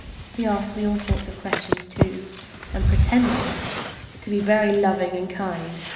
He asked me all sorts of questions, too, and pretended to be very loving and kind.